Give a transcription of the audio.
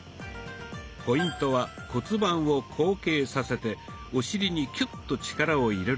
ポイントは骨盤を後傾させてお尻にキュッと力を入れること。